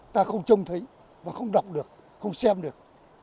ta không trông thấy và không đọc được không xem được